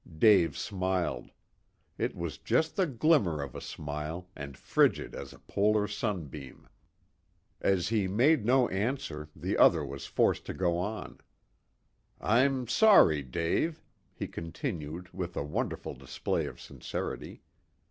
Dave smiled. It was just the glimmer of a smile, and frigid as a polar sunbeam. As he made no answer, the other was forced to go on. "I'm sorry, Dave," he continued, with a wonderful display of sincerity.